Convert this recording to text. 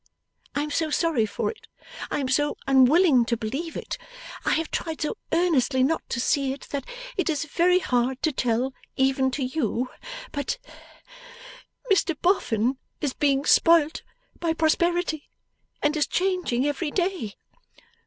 I am so sorry for it, I am so unwilling to believe it, I have tried so earnestly not to see it, that it is very hard to tell, even to you. But Mr Boffin is being spoilt by prosperity, and is changing every day.